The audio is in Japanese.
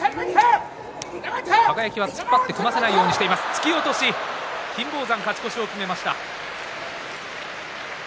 突き落とし金峰山、勝ち越しを決めました。